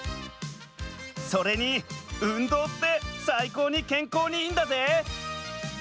それに運動って最高にけんこうにいいんだぜ！